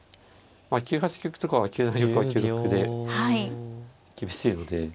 まあ９八玉とかは９七玉は９六歩で厳しいので。